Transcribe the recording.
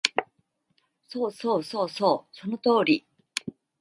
そうそうそうそう、その通り